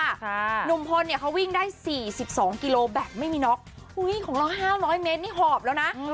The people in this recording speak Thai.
หนุ่มพลเนี่ยเขาวิ่งได้สี่สิบสองกิโลแบบไม่มีน็อกอุ้ยของเราห้าร้อยเมตรนี่หอบแล้วนะ